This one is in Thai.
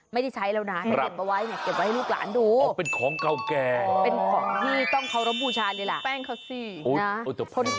ไม่ได้ใช้เร่านะให้เด็ดว่านี้ไว้ให้ลูกหลานดู